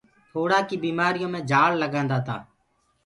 ڦوڙآ ڪي بيمآريو مي جآݪ لگآندآ تآ۔